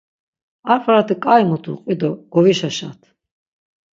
Ar farati k̆ai mutu qvi do govişaşat!